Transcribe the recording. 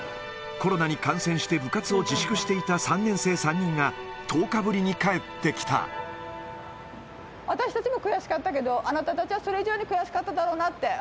コロナに感染して部活を自粛していた３年生３人が、１０日ぶ私たちも悔しかったけど、あなたたちはそれ以上に悔しかっただろうなって。